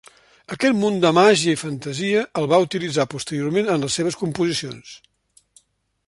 Aquest món de màgia i fantasia, el va utilitzar posteriorment en les seves composicions.